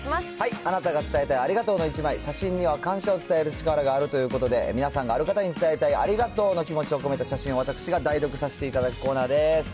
あなたが伝えたいありがとうの１枚、写真には感謝を伝える力があるということで、皆さんがある方に伝えたいありがとうの気持ちを込めた写真を私が代読させていただくコーナーです。